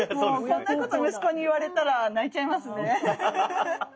そんなこと息子に言われたら泣いちゃいますね。